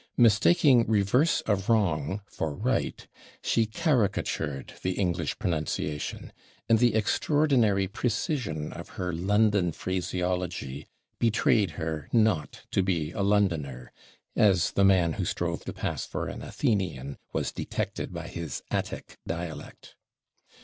Mistaking reverse of wrong for right, she caricatured the English pronunciation; and the extraordinary precision of her London phraseology betrayed her not to be a Londoner, as the man, who strove to pass for an Athenian, was detected by his Attic dialect.